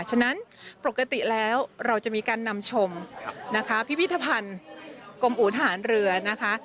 ฉะนั้นปกติแล้วเราจะมีการนำชมนะคะพิพิธภัณฑ์กรมอูทหารเรือนะคะ